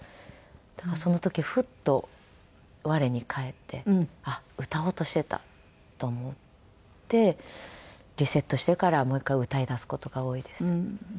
だからその時ふっと我に返ってあっ歌おうとしていたと思ってリセットしてからもう一回歌いだす事が多いです。